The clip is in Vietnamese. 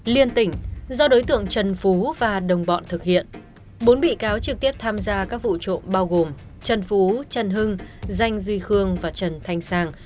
liên tỉnh do đối tượng trần phú và đồng bọn thực hiện bốn bị cáo trực tiếp tham gia các vụ trộm bao gồm trần phú trần hưng danh duy khương và trần thanh sang